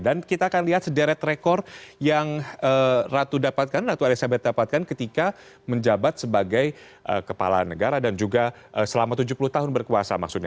dan kita akan lihat sederet rekor yang ratu dapatkan ratu elizabeth dapatkan ketika menjabat sebagai kepala negara dan juga selama tujuh puluh tahun berkuasa maksudnya